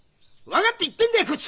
分かって言ってんだよ